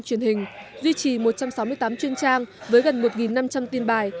truyền hình duy trì một trăm sáu mươi tám chuyên trang với gần một năm trăm linh tin bài